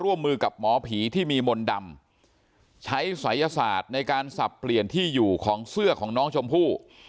ร่วมมือกับหมอผีที่มีมนต์ดำใช้ศัยศาสตร์ในการสับเปลี่ยนที่อยู่ของเสื้อของน้องชมพู่